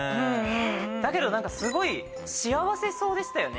だけど何かすごい幸せそうでしたよね。